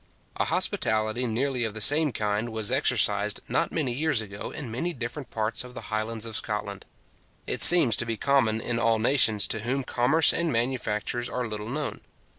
A hospitality nearly of the same kind was exercised not many years ago in many different parts of the Highlands of Scotland. It seems to be common in all nations to whom commerce and manufactures are little known.